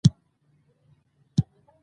هغه کار د اضطراب په کمولو کې مرسته کوي.